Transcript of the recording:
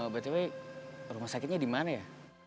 by the way rumah sakitnya di mana ya